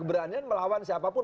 saya ingin melawan siapa pun